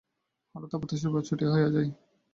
হঠাৎ অপ্রত্যাশিত ভাবে ছুটি হইয়া যায়।